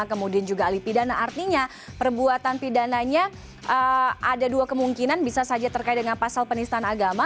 kemudian juga ahli pidana artinya perbuatan pidananya ada dua kemungkinan bisa saja terkait dengan pasal penistaan agama